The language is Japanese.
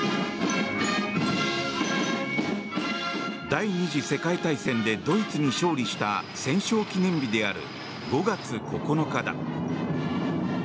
第２次世界大戦でドイツに勝利した戦勝記念日である５月９日だ。